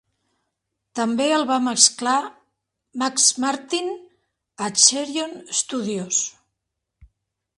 També el va mesclar Max Martin a Cheiron Studios.